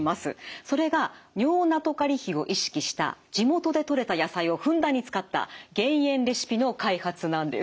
それが尿ナトカリ比を意識した地元でとれた野菜をふんだんに使った減塩レシピの開発なんです。